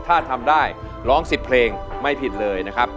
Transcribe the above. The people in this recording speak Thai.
ถ้าทำได้ร้อง๑๐เพลงไม่ผิดเลยนะครับ